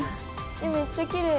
えっめっちゃきれい。